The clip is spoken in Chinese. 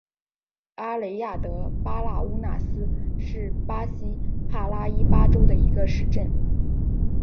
阿雷亚德巴拉乌纳斯是巴西帕拉伊巴州的一个市镇。